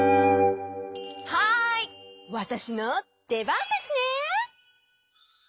はいわたしのでばんですね！